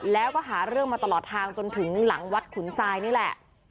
แล้วก็หาเรื่องมาตลอดทางจนถึงหลังวัดขุนทรายนี่แหละ